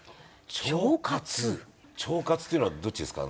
「ちょうかつ」っていうのはどっちですか？